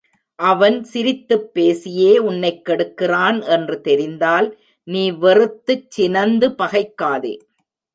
அவன் சிரித்துப் பேசியே உன்னைக் கெடுக்கிறான் என்று தெரிந்தால், நீ வெறுத்துச் சினந்து பகைக்காதே.